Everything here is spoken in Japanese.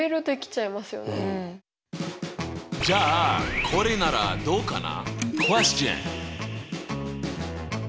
じゃあこれならどうかな？